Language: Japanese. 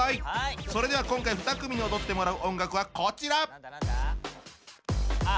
それでは今回２組に踊ってもらう音楽はこちら！